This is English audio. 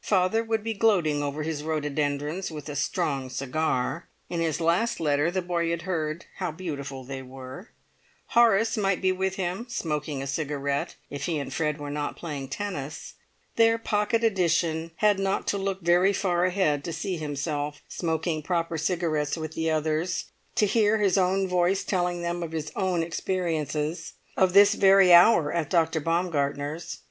Father would be gloating over his rhododendrons with a strong cigar; in his last letter the boy had heard how beautiful they were. Horace might be with him, smoking a cigarette, if he and Fred were not playing tennis. Their pocket edition had not to look very far ahead to see himself smoking proper cigarettes with the others, to hear his own voice telling them of his own experience—of this very hour at Dr. Baumgartner's.